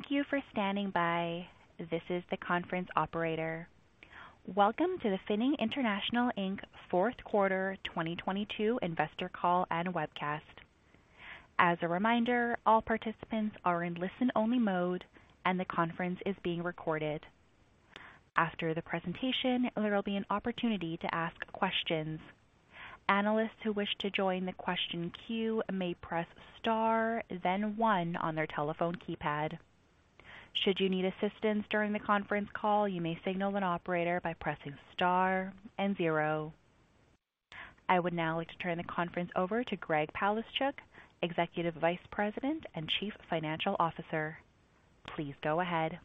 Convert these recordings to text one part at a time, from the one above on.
Thank you for standing by. This is the conference operator. Welcome to the Finning International Inc.'s fourth quarter 2022 investor call and webcast. As a reminder, all participants are in listen-only mode, and the conference is being recorded. After the presentation, there will be an opportunity to ask questions. Analysts who wish to join the question queue may press star then one on their telephone keypad. Should you need assistance during the conference call, you may signal an operator by pressing star and zero. I would now like to turn the conference over to Greg Palaschuk, Executive Vice President and Chief Financial Officer. Please go ahead.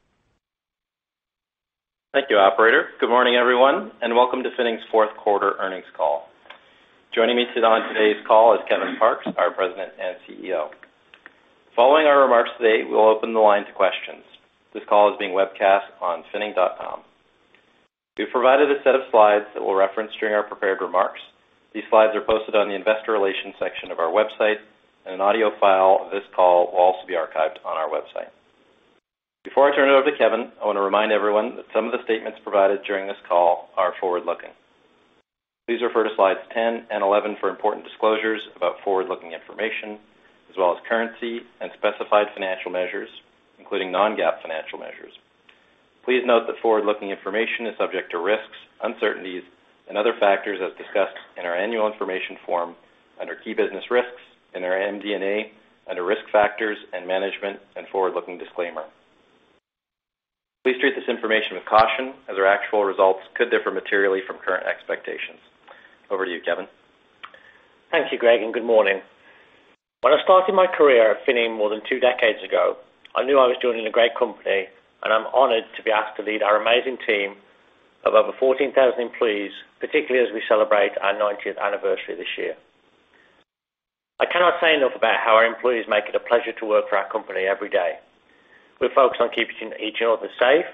Thank you, operator. Good morning, everyone, and welcome to Finning's fourth quarter earnings call. Joining me today on today's call is Kevin Parkes, our President and CEO. Following our remarks today, we will open the line to questions. This call is being webcast on finning.com. We've provided a set of slides that we'll reference during our prepared remarks. These slides are posted on the investor relations section of our website, and an audio file of this call will also be archived on our website. Before I turn it over to Kevin, I wanna remind everyone that some of the statements provided during this call are forward-looking. Please refer to slides 10 and 11 for important disclosures about forward-looking information, as well as currency and specified financial measures, including non-GAAP financial measures. Please note that forward-looking information is subject to risks, uncertainties and other factors as discussed in our annual information form under Key Business Risks, in our MD&A, under Risk Factors and Management and Forward-Looking Disclaimer. Please treat this information with caution as our actual results could differ materially from current expectations. Over to you, Kevin. Thank you, Greg, and good morning. When I started my career at Finning more than two decades ago, I knew I was joining a great company, and I'm honored to be asked to lead our amazing team of over 14,000 employees, particularly as we celebrate our 90th anniversary this year. I cannot say enough about how our employees make it a pleasure to work for our company every day. We're focused on keeping each other safe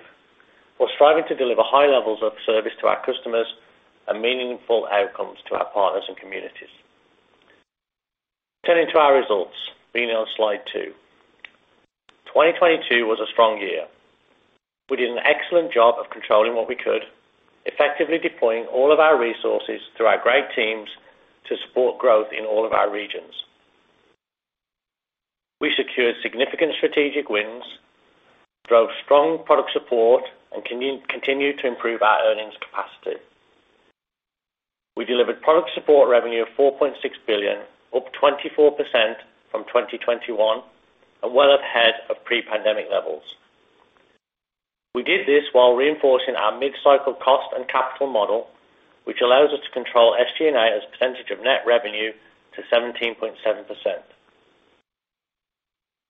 while striving to deliver high levels of service to our customers and meaningful outcomes to our partners and communities. Turning to our results, leaning on slide 2. 2022 was a strong year. We did an excellent job of controlling what we could, effectively deploying all of our resources through our great teams to support growth in all of our regions. We secured significant strategic wins, drove strong product support and continue to improve our earnings capacity. We delivered product support revenue of 4.6 billion, up 24% from 2021, and well ahead of pre-pandemic levels. We did this while reinforcing our mid-cycle cost and capital model, which allows us to control SG&A as a percentage of net revenue to 17.7%.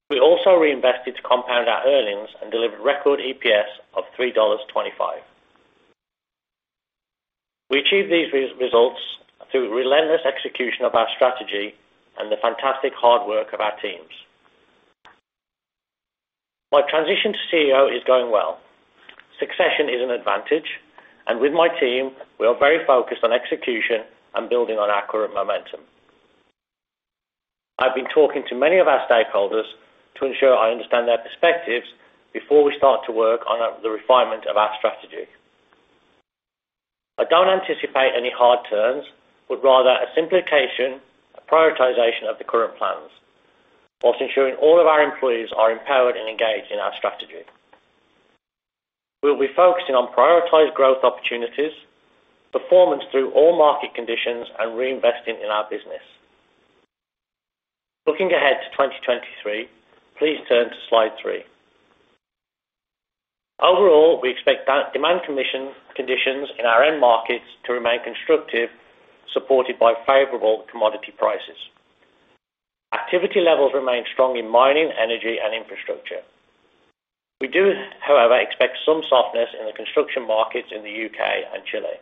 We also reinvested to compound our earnings and delivered record EPS of 3.25 dollars. We achieved these results through relentless execution of our strategy and the fantastic hard work of our teams. My transition to CEO is going well. Succession is an advantage, and with my team, we are very focused on execution and building on our current momentum. I've been talking to many of our stakeholders to ensure I understand their perspectives before we start to work on the refinement of our strategy. I don't anticipate any hard turns, but rather a simplification, a prioritization of the current plans, whilst ensuring all of our employees are empowered and engaged in our strategy. We'll be focusing on prioritized growth opportunities, performance through all market conditions, and reinvesting in our business. Looking ahead to 2023, please turn to slide 3. Overall, we expect demand conditions in our end markets to remain constructive, supported by favorable commodity prices. Activity levels remain strong in mining, energy and infrastructure. We do, however, expect some softness in the construction markets in the U.K. and Chile.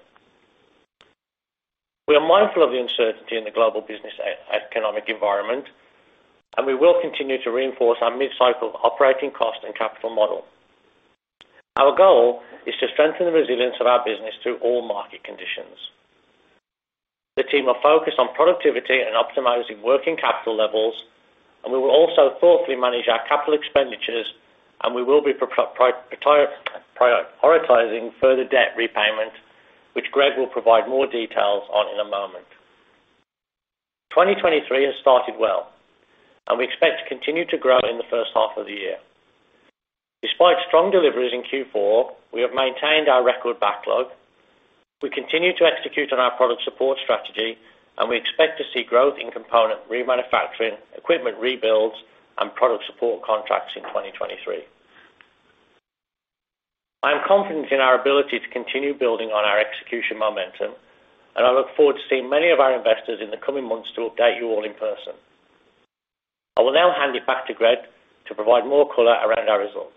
We are mindful of the uncertainty in the global business economic environment, and we will continue to reinforce our mid-cycle operating cost and capital model. Our goal is to strengthen the resilience of our business through all market conditions. The team are focused on productivity and optimizing working capital levels, and we will also thoughtfully manage our capital expenditures, and we will be prioritizing further debt repayment, which Greg will provide more details on in a moment. 2023 has started well, and we expect to continue to grow in the first half of the year. Despite strong deliveries in Q4, we have maintained our record backlog. We continue to execute on our product support strategy, and we expect to see growth in component remanufacturing, equipment rebuilds, and product support contracts in 2023. I am confident in our ability to continue building on our execution momentum, and I look forward to seeing many of our investors in the coming months to update you all in person. I will now hand it back to Greg to provide more color around our results.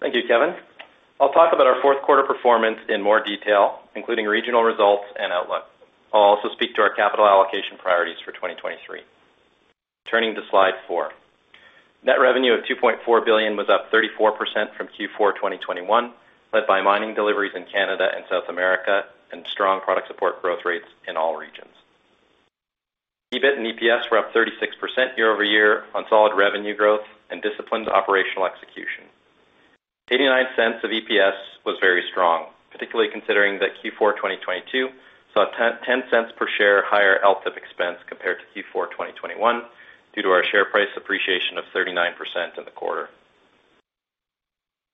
Thank you, Kevin. I'll talk about our fourth quarter performance in more detail, including regional results and outlook. I'll also speak to our capital allocation priorities for 2023. Turning to slide 4. Net revenue of 2.4 billion was up 34% from Q4 2021, led by mining deliveries in Canada and South America and strong product support growth rates in all regions. EBIT and EPS were up 36% year-over-year on solid revenue growth and disciplined operational execution. 0.89 of EPS was very strong, particularly considering that Q4 2022 saw 0.10 per share higher LTIP expense compared to Q4 2021 due to our share price appreciation of 39% in the quarter.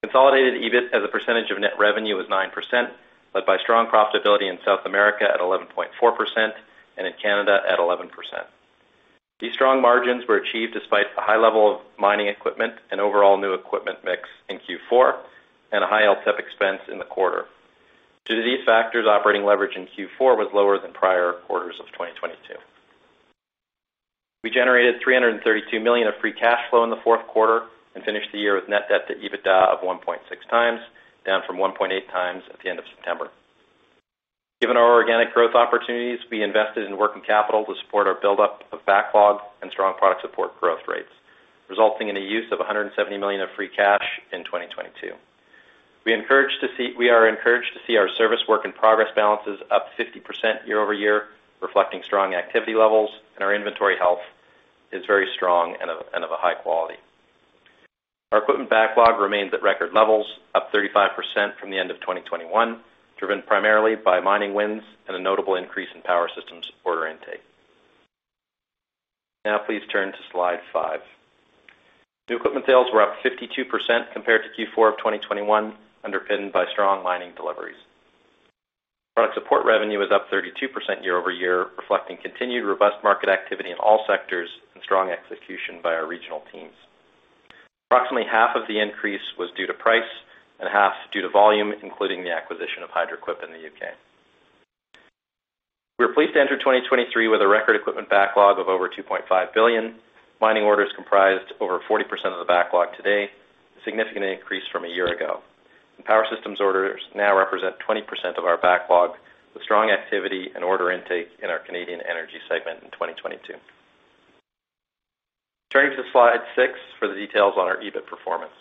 Consolidated EBIT as a percentage of net revenue was 9%, led by strong profitability in South America at 11.4% and in Canada at 11%. These strong margins were achieved despite a high level of mining equipment and overall new equipment mix in Q4 and a high LTIP expense in the quarter. Due to these factors, operating leverage in Q4 was lower than prior quarters of 2022. We generated $332 million of free cash flow in the fourth quarter and finished the year with net debt to EBITDA of 1.6 times, down from 1.8 times at the end of September. Given our organic growth opportunities, we invested in working capital to support our buildup of backlog and strong product support growth rates, resulting in the use of $170 million of free cash in 2022. We are encouraged to see our service work in progress balances up 50% year-over-year, reflecting strong activity levels, and our inventory health is very strong and of a high quality. Our equipment backlog remains at record levels, up 35% from the end of 2021, driven primarily by mining wins and a notable increase in power systems order intake. Please turn to slide 5. New equipment sales were up 52% compared to Q4 of 2021, underpinned by strong mining deliveries. Product support revenue was up 32% year-over-year, reflecting continued robust market activity in all sectors and strong execution by our regional teams. Approximately half of the increase was due to price and half due to volume, including the acquisition of Hydraquip in the UK. We are pleased to enter 2023 with a record equipment backlog of over 2.5 billion. Mining orders comprised over 40% of the backlog today, significantly increased from a year ago. Power systems orders now represent 20% of our backlog, with strong activity and order intake in our Canadian energy segment in 2022. Turning to slide six for the details on our EBIT performance.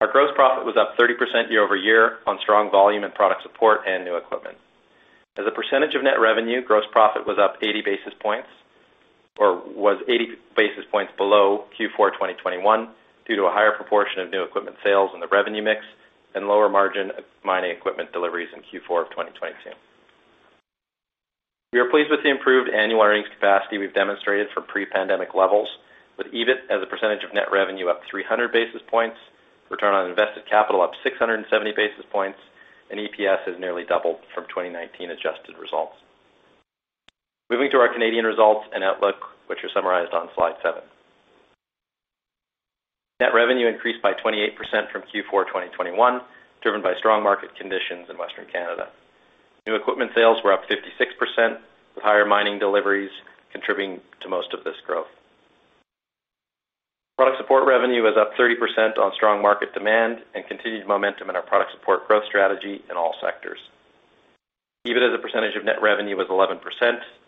Our gross profit was up 30% year-over-year on strong volume in product support and new equipment. As a percentage of net revenue, gross profit was up 80 basis points or was 80 basis points below Q4 2021 due to a higher proportion of new equipment sales in the revenue mix and lower margin mining equipment deliveries in Q4 of 2022. We are pleased with the improved annual earnings capacity we've demonstrated from pre-pandemic levels, with EBIT as a percentage of net revenue up 300 basis points, return on invested capital up 670 basis points, EPS has nearly doubled from 2019 adjusted results. Moving to our Canadian results and outlook, which are summarized on Slide 7. Net revenue increased by 28% from Q4 2021, driven by strong market conditions in Western Canada. New equipment sales were up 56%, with higher mining deliveries contributing to most of this growth. Product support revenue was up 30% on strong market demand and continued momentum in our product support growth strategy in all sectors. EBIT as a percentage of net revenue was 11%,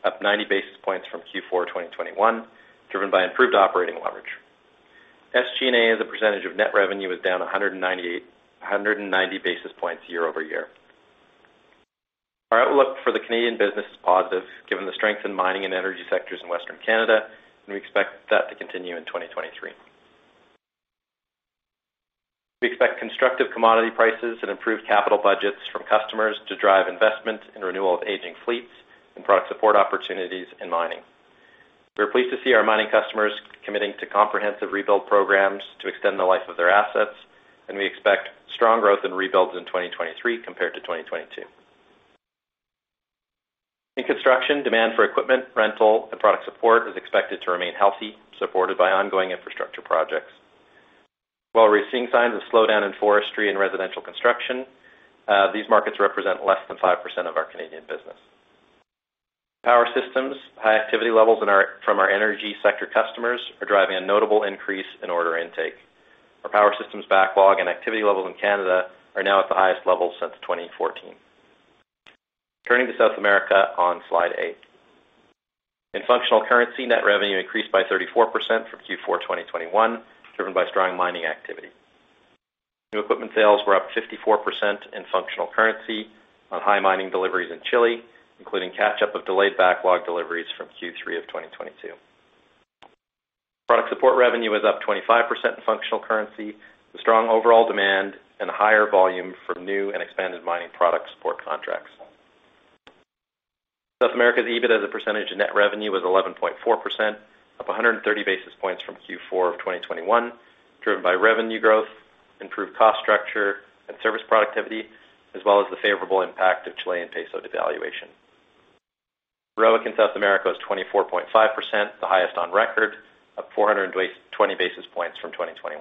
up 90 basis points from Q4 2021, driven by improved operating leverage. SG&A as a percentage of net revenue was down 190 basis points year-over-year. Our outlook for the Canadian business is positive given the strength in mining and energy sectors in Western Canada. We expect that to continue in 2023. We expect constructive commodity prices and improved capital budgets from customers to drive investment in renewal of aging fleets and product support opportunities in mining. We are pleased to see our mining customers committing to comprehensive rebuild programs to extend the life of their assets, and we expect strong growth in rebuilds in 2023 compared to 2022. In construction, demand for equipment, rental, and product support is expected to remain healthy, supported by ongoing infrastructure projects. While we're seeing signs of slowdown in forestry and residential construction, these markets represent less than 5% of our Canadian business. Power systems, high activity levels from our energy sector customers are driving a notable increase in order intake. Our power systems backlog and activity levels in Canada are now at the highest level since 2014. Turning to South America on slide 8. In functional currency, net revenue increased by 34% from Q4 2021, driven by strong mining activity. New equipment sales were up 54% in functional currency on high mining deliveries in Chile, including catch-up of delayed backlog deliveries from Q3 of 2022. Product support revenue was up 25% in functional currency with strong overall demand and higher volume from new and expanded mining product support contracts. South America's EBIT as a percentage of net revenue was 11.4%, up 130 basis points from Q4 of 2021, driven by revenue growth, improved cost structure, and service productivity, as well as the favorable impact of Chilean peso devaluation. ROIC in South America was 24.5%, the highest on record, up 420 basis points from 2021.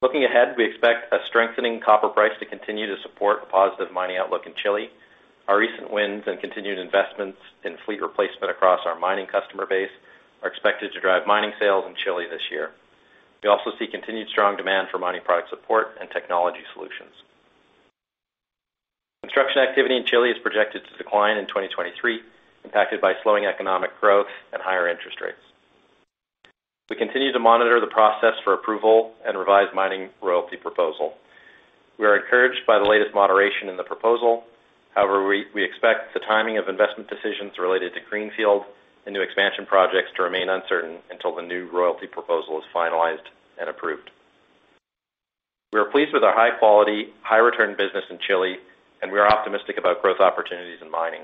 Looking ahead, we expect a strengthening copper price to continue to support a positive mining outlook in Chile. Our recent wins and continued investments in fleet replacement across our mining customer base are expected to drive mining sales in Chile this year. We also see continued strong demand for mining product support and technology solutions. Construction activity in Chile is projected to decline in 2023, impacted by slowing economic growth and higher interest rates. We continue to monitor the process for approval and revised Mining Royalty Bill. We are encouraged by the latest moderation in the proposal. However, we expect the timing of investment decisions related to greenfield and new expansion projects to remain uncertain until the new royalty proposal is finalized and approved. We are pleased with our high quality, high return business in Chile, and we are optimistic about growth opportunities in mining.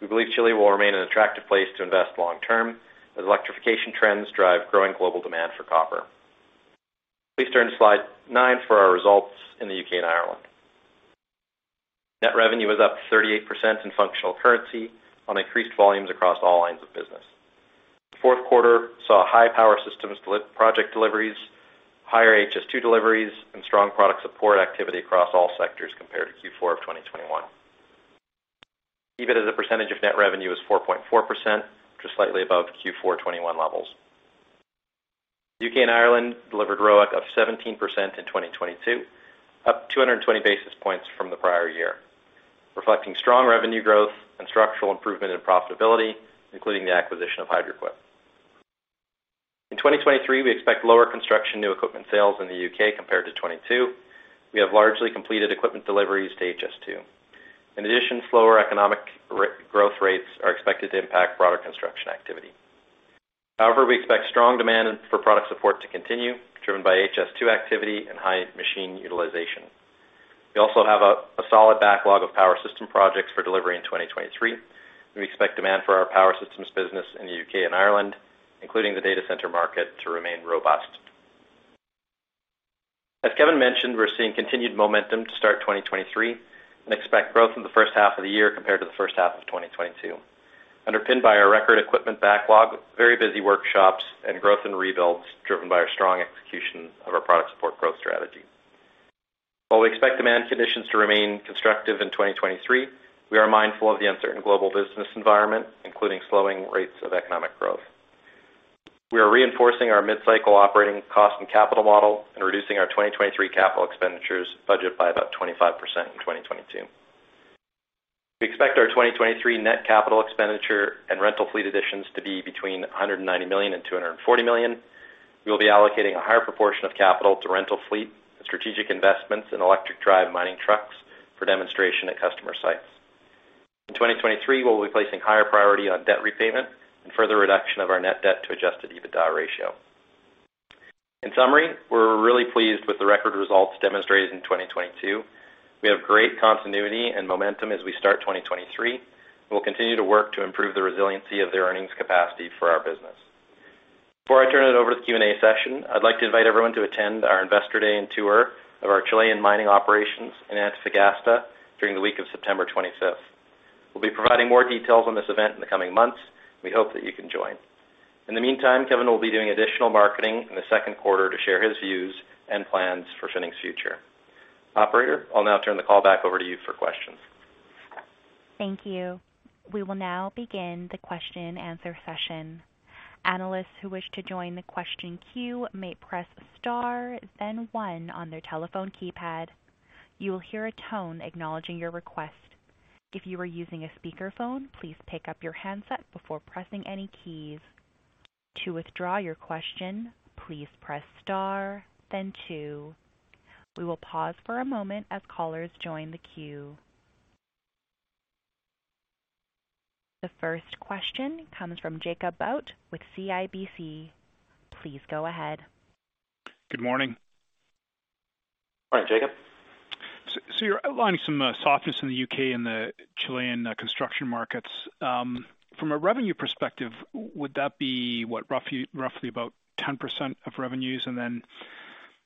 We believe Chile will remain an attractive place to invest long term as electrification trends drive growing global demand for copper. Please turn to slide 9 for our results in the U.K. and Ireland. Net revenue was up 38% in functional currency on increased volumes across all lines of business. Fourth quarter saw high power systems project deliveries, higher HS2 deliveries, and strong product support activity across all sectors compared to Q4 of 2021. EBIT as a percentage of net revenue is 4.4%, just slightly above Q4 2021 levels. UK and Ireland delivered ROIC of 17% in 2022, up 220 basis points from the prior year, reflecting strong revenue growth and structural improvement in profitability, including the acquisition of Hydraquip. In 2023, we expect lower construction new equipment sales in the UK compared to 2022. We have largely completed equipment deliveries to HS2. In addition, slower economic growth rates are expected to impact broader construction activity. However, we expect strong demand for product support to continue, driven by HS2 activity and high machine utilization. We also have a solid backlog of power system projects for delivery in 2023. We expect demand for our power systems business in the UK and Ireland, including the data center market, to remain robust. As Kevin mentioned, we're seeing continued momentum to start 2023 and expect growth in the first half of the year compared to the first half of 2022, underpinned by our record equipment backlog with very busy workshops and growth in rebuilds driven by our strong execution of our product support growth strategy. While we expect demand conditions to remain constructive in 2023, we are mindful of the uncertain global business environment, including slowing rates of economic growth. We are reinforcing our mid-cycle operating cost and capital model and reducing our 2023 capital expenditures budget by about 25% in 2022. We expect our 2023 net capital expenditure and rental fleet additions to be between 190 million and 240 million. We will be allocating a higher proportion of capital to rental fleet and strategic investments in electric drive mining trucks for demonstration at customer sites. In 2023, we'll be placing higher priority on debt repayment and further reduction of our net debt to adjusted EBITDA ratio. In summary, we're really pleased with the record results demonstrated in 2022. We have great continuity and momentum as we start 2023. We'll continue to work to improve the resiliency of the earnings capacity for our business. Before I turn it over to the Q&A session, I'd like to invite everyone to attend our Investor Day and tour of our Chilean mining operations in Antofagasta during the week of September 25th. We'll be providing more details on this event in the coming months. We hope that you can join. In the meantime, Kevin will be doing additional marketing in the second quarter to share his views and plans for Finning's future. Operator, I'll now turn the call back over to you for questions. Thank you. We will now begin the question and answer session. Analysts who wish to join the question queue may press star then one on their telephone keypad. You will hear a tone acknowledging your request. If you are using a speakerphone, please pick up your handset before pressing any keys. To withdraw your question, please press star then two. We will pause for a moment as callers join the queue. The first question comes from Jacob Bout with CIBC. Please go ahead. Good morning. Morning, Jacob. You're outlining some softness in the UK and the Chilean construction markets. From a revenue perspective, would that be roughly about 10% of revenues?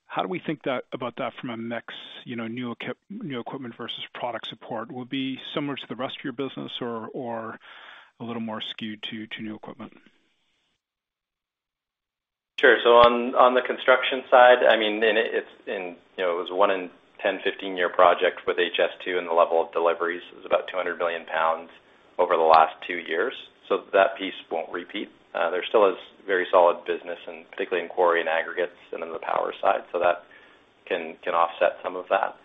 How do we think about that from a mix, you know, new equipment versus product support? Will it be similar to the rest of your business or a little more skewed to new equipment? Sure. On the construction side, you know, it was one in 10-15 year project with HS2, and the level of deliveries was about 200 million pounds over the last 2 years. That piece won't repeat. There still is very solid business in, particularly in quarry and aggregates and in the power side, so that can offset some of that.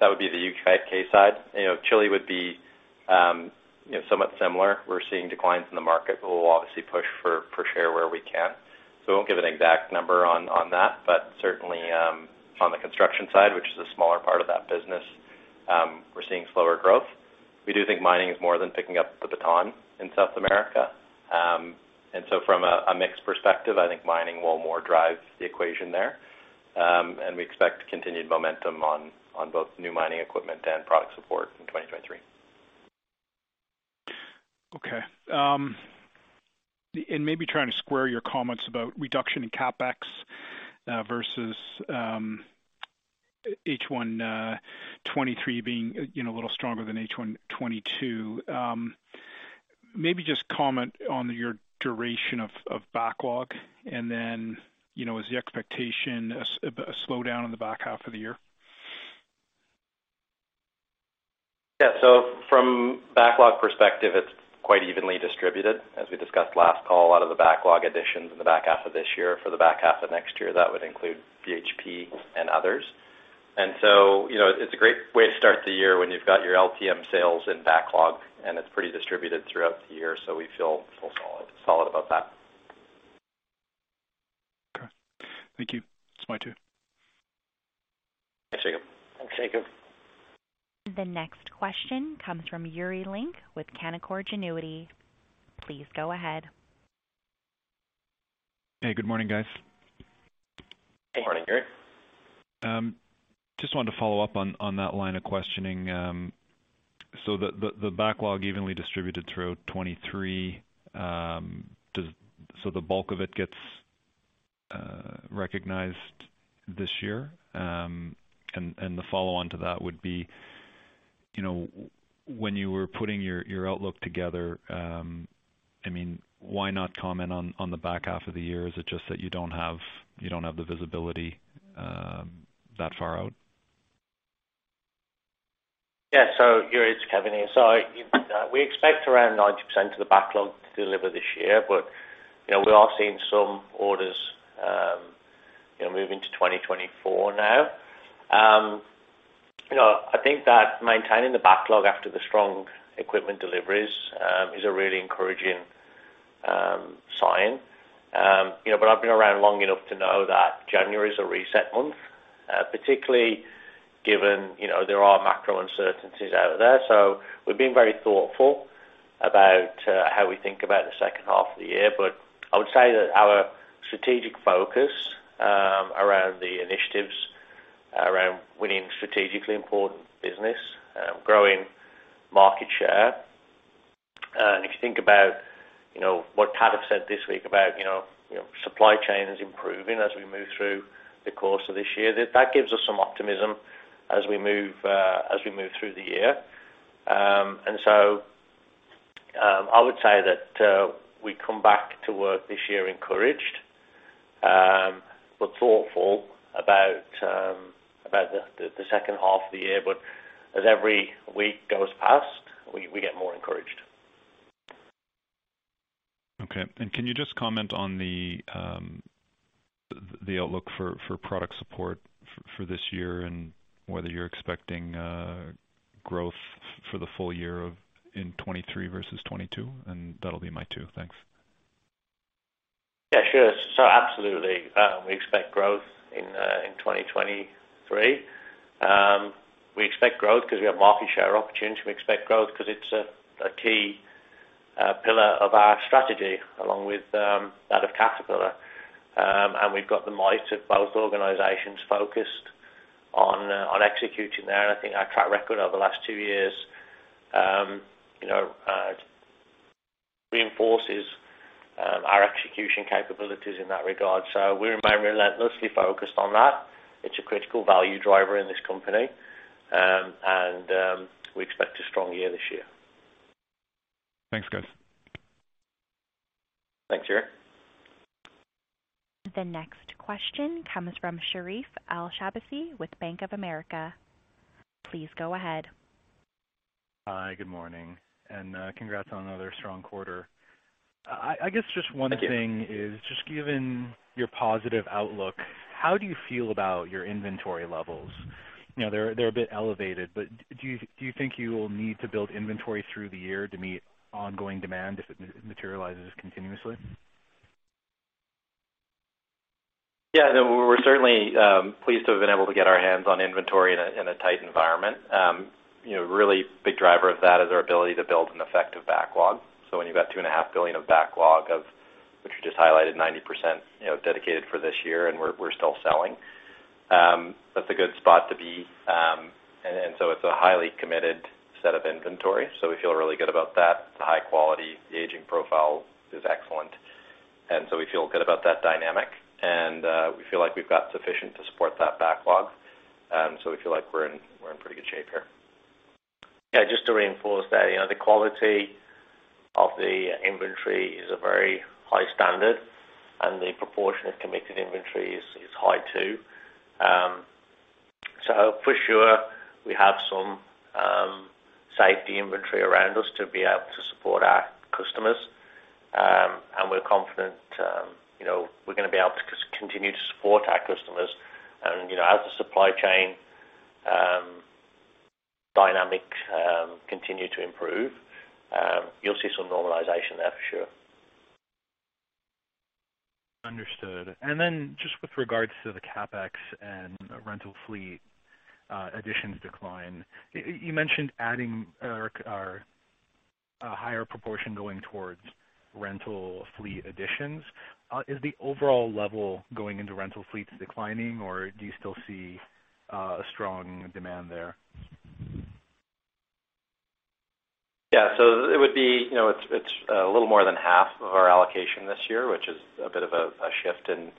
That would be the U.K. side. You know, Chile would be, you know, somewhat similar. We're seeing declines in the market, but we'll obviously push for share where we can. I won't give an exact number on that, but certainly, on the construction side, which is a smaller part of that business, we're seeing slower growth. We do think mining is more than picking up the baton in South America. From a mix perspective, I think mining will more drive the equation there. We expect continued momentum on both new mining equipment and product support in 2023. Okay. Maybe trying to square your comments about reduction in CapEx versus H1 2023 being, you know, a little stronger than H1 2022. Maybe just comment on your duration of backlog, and then, you know, is the expectation a slowdown in the back half of the year? Yeah. From backlog perspective, it's quite evenly distributed. As we discussed last call, a lot of the backlog additions in the back half of this year are for the back half of next year. That would include BHP and others. You know, it's a great way to start the year when you've got your LTM sales in backlog, and it's pretty distributed throughout the year, so we feel solid about that. Okay. Thank you. That's my two. Thanks, Jacob. Thanks, Jacob. The next question comes from Yuri Lynk with Canaccord Genuity. Please go ahead. Hey, good morning, guys. Good morning, Yuri. Just wanted to follow up on that line of questioning. The, the backlog evenly distributed throughout 2023, so the bulk of it gets recognized this year? The follow-on to that would be, you know, when you were putting your outlook together, I mean, why not comment on the back half of the year? Is it just that you don't have, you don't have the visibility that far out? Yuri, it's Kevin here. We expect around 90% of the backlog to deliver this year, but, you know, we are seeing some orders, you know, move into 2024 now. You know, I think that maintaining the backlog after the strong equipment deliveries, is a really encouraging sign. You know, but I've been around long enough to know that January is a reset month, particularly given, you know, there are macro uncertainties out there. We've been very thoughtful about how we think about the second half of the year. I would say that our strategic focus around the initiatives around winning strategically important business, growing market share. If you think about, you know, what Tad have said this week about, you know, supply chain is improving as we move through the course of this year. That gives us some optimism as we move through the year. I would say that we come back to work this year encouraged, but thoughtful about the second half of the year. As every week goes past, we get more encouraged. Okay. Can you just comment on the outlook for product support for this year and whether you're expecting growth for the full year in 2023 versus 2022? That'll be my two. Thanks. Yeah, sure. Absolutely, we expect growth in 2023. We expect growth because we have market share opportunity. We expect growth because it's a key pillar of our strategy, along with that of Caterpillar. We've got the might of both organizations focused on executing there. I think our track record over the last 2 years, you know, reinforces our execution capabilities in that regard. We remain relentlessly focused on that. It's a critical value driver in this company. We expect a strong year this year. Thanks, guys. Thanks, Yuri. The next question comes from Cheryl Afonso with Bank of America. Please go ahead. Hi, good morning, and congrats on another strong quarter. I guess just one thing is just given your positive outlook, how do you feel about your inventory levels? You know, they're a bit elevated, but do you think you will need to build inventory through the year to meet ongoing demand if it materializes continuously? Yeah. No, we're certainly pleased to have been able to get our hands on inventory in a tight environment. You know, really big driver of that is our ability to build an effective backlog. When you've got 2.5 billion of backlog of which we just highlighted 90%, you know, dedicated for this year and we're still selling, that's a good spot to be. So it's a highly committed set of inventory, so we feel really good about that. The high quality, the aging profile is excellent. So we feel good about that dynamic. We feel like we've got sufficient to support that backlog. We feel like we're in, we're in pretty good shape here. Just to reinforce that, you know, the quality of the inventory is a very high standard, and the proportion of committed inventory is high too. For sure, we have some safety inventory around us to be able to support our customers. We're confident, you know, we're gonna be able to continue to support our customers. As the supply chain dynamic continue to improve, you'll see some normalization there for sure. Understood. Then just with regards to the CapEx and rental fleet, additions decline, you mentioned adding or a higher proportion going towards rental fleet additions. Is the overall level going into rental fleets declining, or do you still see a strong demand there? Yeah. It would be, you know, it's a little more than half of our allocation this year, which is a bit of a shift in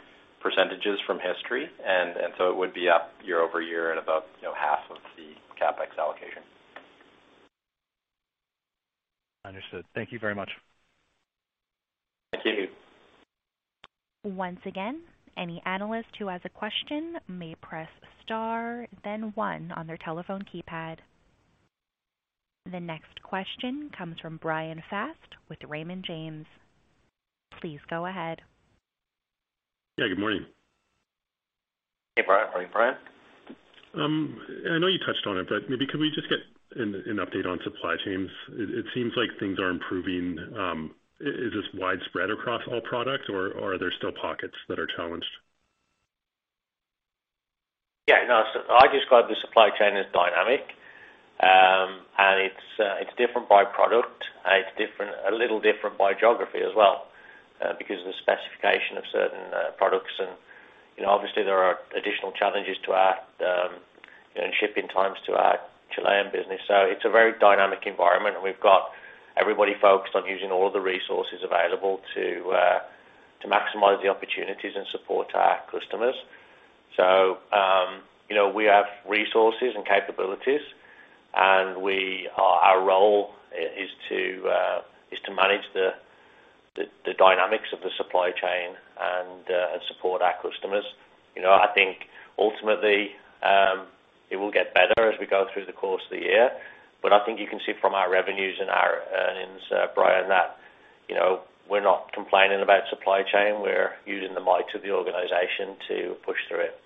percentages from history. It would be up year over year at about, you know, half of the CapEx allocation. Understood. Thank you very much. Thank you. Once again, any analyst who has a question may press star then one on their telephone keypad. The next question comes from Bryan Fast with Raymond James. Please go ahead. Yeah, good morning. Hey, Bryan. Morning, Bryan. I know you touched on it, but maybe could we just get an update on supply chains? It seems like things are improving. Is this widespread across all products or are there still pockets that are challenged? cribe the supply chain as dynamic. And it's different by product, and it's different, a little different by geography as well, because of the specification of certain products. And, you know, obviously there are additional challenges to our, you know, shipping times to our Chilean business. So it's a very dynamic environment, and we've got everybody focused on using all of the resources available to maximize the opportunities and support to our customers. So, you know, we have resources and capabilities, and our role is to manage the dynamics of the supply chain and support our customers You know, I think ultimately, it will get better as we go through the course of the year, but I think you can see from our revenues and our earnings, Bryan, that, you know, we're not complaining about supply chain. We're using the might of the organization to push through it.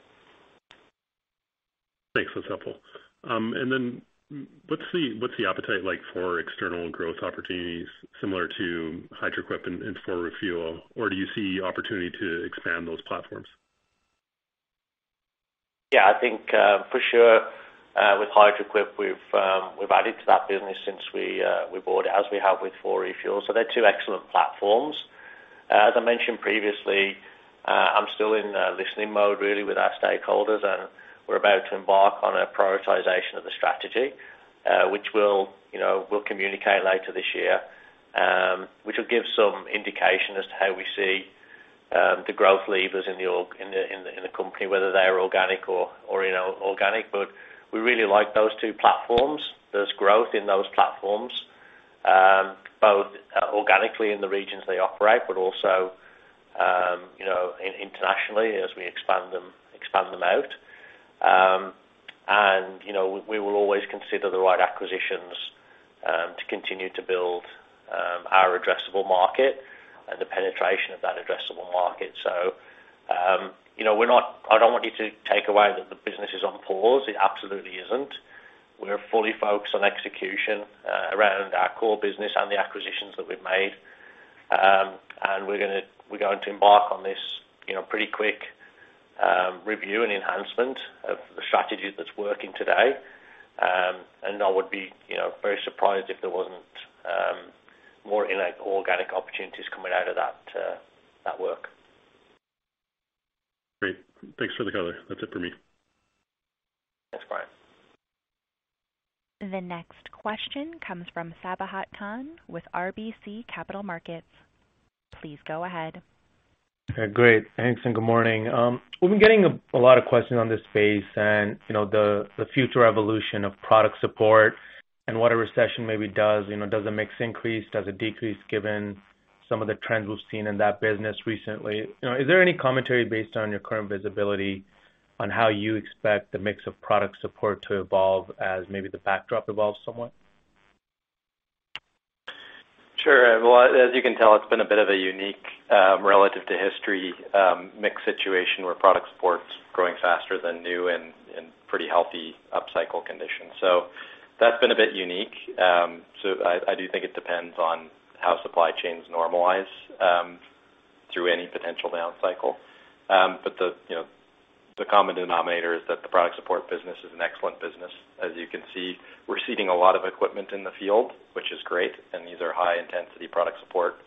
Thanks. That's helpful. What's the, what's the appetite like for external growth opportunities similar to Hydraquip and 4Refuel? Or do you see opportunity to expand those platforms? Yeah, I think, for sure, with Hydraquip, we've added to that business since we bought it, as we have with 4Refuel. They're two excellent platforms. As I mentioned previously, I'm still in listening mode really with our stakeholders. We're about to embark on a prioritization of the strategy, which we'll, you know, communicate later this year, which will give some indication as to how we see the growth levers in the company, whether they're organic or, you know, organic. We really like those two platforms. There's growth in those platforms, both organically in the regions they operate but also, you know, internationally as we expand them out. You know, we will always consider the right acquisitions to continue to build our addressable market and the penetration of that addressable market. You know, I don't want you to take away that the business is on pause. It absolutely isn't. We're fully focused on execution around our core business and the acquisitions that we've made. We're going to embark on this, you know, pretty quick review and enhancement of the strategy that's working today. I would be, you know, very surprised if there wasn't organic opportunities coming out of that work. Great. Thanks for the color. That's it for me. Thanks, Bryan. The next question comes from Sabahat Khan with RBC Capital Markets. Please go ahead. Okay, great. Thanks, and good morning. We've been getting a lot of questions on this space and, you know, the future evolution of product support and what a recession maybe does. You know, does it mix increase? Does it decrease given some of the trends we've seen in that business recently? You know, is there any commentary based on your current visibility on how you expect the mix of product support to evolve as maybe the backdrop evolves somewhat? Sure. Well, as you can tell, it's been a bit of a unique, relative to history, mix situation where product support's growing faster than new and pretty healthy up-cycle conditions. That's been a bit unique. I do think it depends on how supply chains normalize through any potential down cycle. But the, you know, the common denominator is that the product support business is an excellent business. As you can see, we're seeding a lot of equipment in the field, which is great, and these are high-intensity product support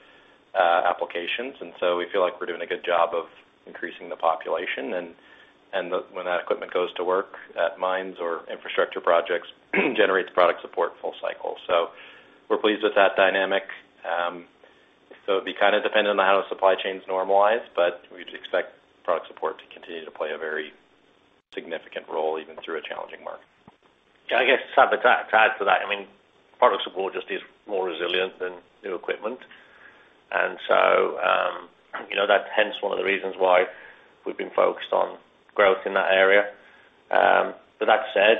applications. We feel like we're doing a good job of increasing the population, and when that equipment goes to work at mines or infrastructure projects, generates product support full cycle. We're pleased with that dynamic. It'd be kind of dependent on how the supply chains normalize, but we'd expect product support to continue to play a very significant role even through a challenging market. Yeah, I guess, Sabahat, to add to that, I mean, product support just is more resilient than new equipment. You know, that's hence one of the reasons why we've been focused on growth in that area.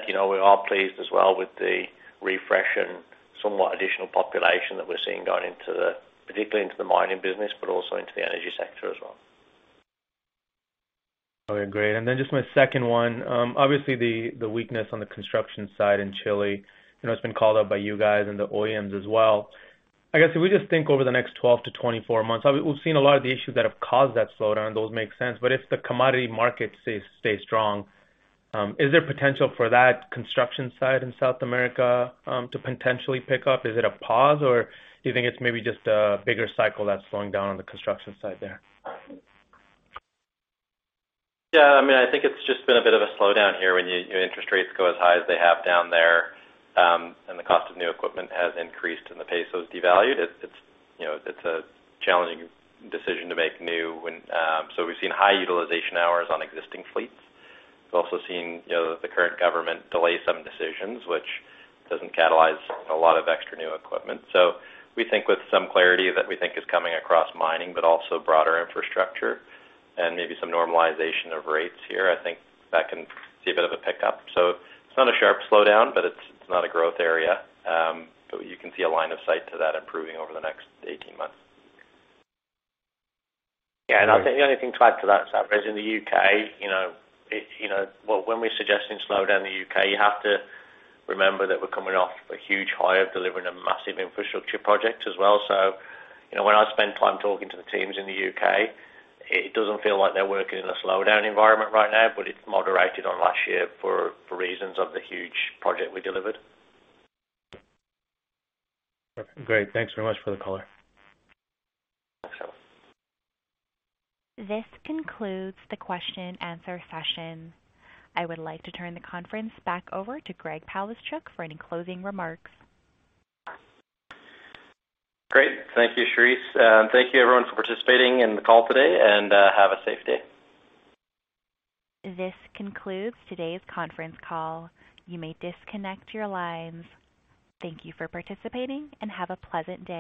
You know, we are pleased as well with the refresh and somewhat additional population that we're seeing going into the, particularly into the mining business, but also into the energy sector as well. Okay, great. Then just my second one. Obviously the weakness on the construction side in Chile, you know, it's been called out by you guys and the OEMs as well. I guess if we just think over the next 12-24 months, we've seen a lot of the issues that have caused that slowdown. Those make sense. If the commodity market stays strong, is there potential for that construction side in South America to potentially pick up? Is it a pause, or do you think it's maybe just a bigger cycle that's slowing down on the construction side there? Yeah, I mean, I think it's just been a bit of a slowdown here when you know, interest rates go as high as they have down there, and the cost of new equipment has increased and the peso's devalued. It's, you know, it's a challenging decision to make new when. We've seen high utilization hours on existing fleets. We've also seen, you know, the current government delay some decisions, which doesn't catalyze a lot of extra new equipment. We think with some clarity that we think is coming across mining, but also broader infrastructure and maybe some normalization of rates here, I think that can see a bit of a pickup. It's not a sharp slowdown, but it's not a growth area. You can see a line of sight to that improving over the next 18 months. I think the only thing to add to that, Sabahat, is in the U.K., you know, well, when we're suggesting slowdown in the U.K., you have to remember that we're coming off a huge high of delivering a massive infrastructure project as well. You know, when I spend time talking to the teams in the U.K., it doesn't feel like they're working in a slowdown environment right now, but it's moderated on last year for reasons of the huge project we delivered. Great. Thanks very much for the color. Thanks, Sabahat. This concludes the question and answer session. I would like to turn the conference back over to Greg Palaschuk for any closing remarks. Great. Thank you, Charisse. Thank you everyone for participating in the call today, and have a safe day. This concludes today's conference call. You may disconnect your lines. Thank you for participating, and have a pleasant day.